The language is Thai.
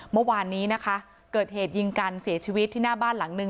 เมื่อวานนี้นะคะเกิดเหตุยิงกันเสียชีวิตที่หน้าบ้านหลังนึง